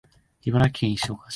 茨城県石岡市